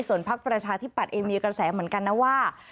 ส่วนพักประชาธิปัตย์เองมีกระแสเหมือนกันนะว่า